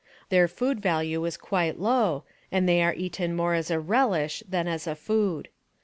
Their food value is quite low, and they are eaten more as a relish than as a food.